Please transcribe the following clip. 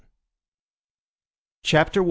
C. CHAPTER I.